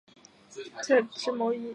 独居性。